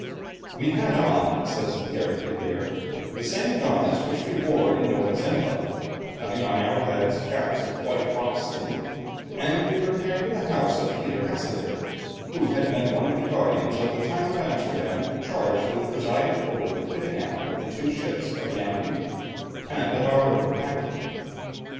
"We had on," says Gerrit de Veer, "the same garments which we wore in Nova Zembla, having on our heads caps of white fox skin, and we repaired to the house of Peter Hasselaer, who had been one of the guardians of the town of Amsterdam charged with presiding over the fitting out of the two ships of Jan Rijp and of our own captain.